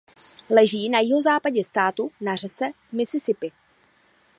Leží na jihozápadě státu na řece Mississippi.